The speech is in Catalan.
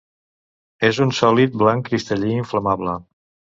És un sòlid blanc cristal·lí inflamable.